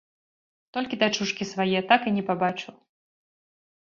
Толькі дачушкі свае так і не пабачыў.